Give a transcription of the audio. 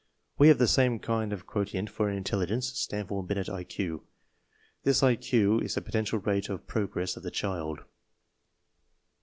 We have the same kind of quo tient for intelligence (Stanford Binet IQ). This IQ is the potential rate of progress of the child.